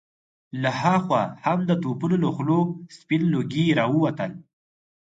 له هاخوا هم د توپونو له خولو سپين لوګي را ووتل.